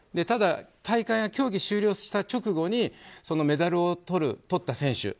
ただ、大会は競技終了した直後にメダルをとった選手